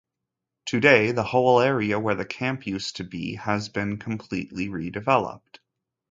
Today, the whole area where the camp used to be has been completely redeveloped.